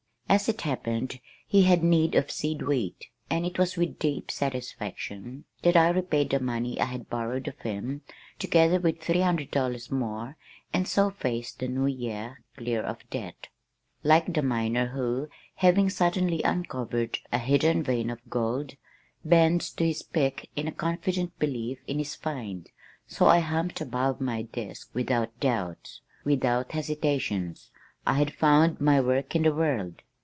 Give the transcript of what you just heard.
As it happened he had need of seed wheat, and it was with deep satisfaction that I repaid the money I had borrowed of him, together with three hundred dollars more and so faced the new year clear of debt. Like the miner who, having suddenly uncovered a hidden vein of gold, bends to his pick in a confident belief in his "find" so I humped above my desk without doubts, without hesitations. I had found my work in the world.